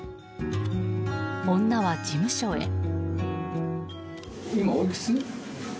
女は事務所へ。